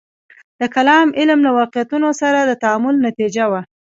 د کلام علم له واقعیتونو سره د تعامل نتیجه وه.